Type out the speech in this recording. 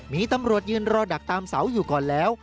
มีตำรวจยืนรอดักตามเสาอยู่ก่อนแล้ว